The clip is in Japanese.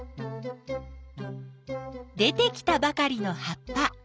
出てきたばかりの葉っぱ。